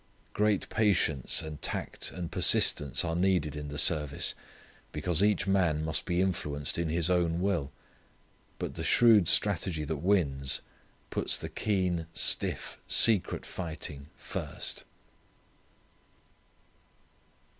Great patience and tact and persistence are needed in the service because each man must be influenced in his own will. But the shrewd strategy that wins puts the keen stiff secret fighting first.